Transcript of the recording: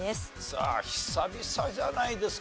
さあ久々じゃないですかね